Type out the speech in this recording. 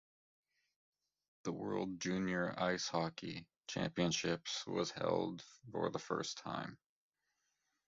The World Junior Ice Hockey Championships was held for the first time.